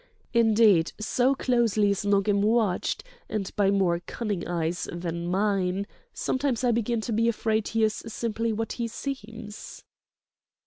Indeed, so closely is Nogam watched, and by more cunning eyes than mine—sometimes I begin to be afraid he is simply what he seems."